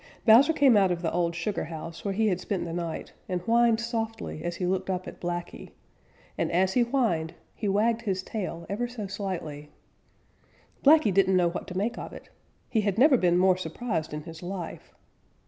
Bowser came out of the old sugar house where he had spent the night and whined softly as he looked up at Blacky, and as he whined he wagged his tail ever so slightly. Blacky didn't know what to make of it. He had never been more surprised in his life.